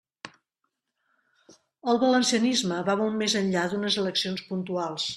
El valencianisme va molt més enllà d'unes eleccions puntuals.